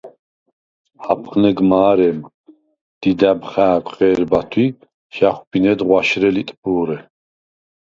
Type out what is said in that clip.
აფხნეგ მა̄რემ დიდა̈ბ ხა̄̈ქვ ღე̄რბათვ ი ჟ’ა̈ხვბინედ ღვაშრე ლიტფუ̄რე.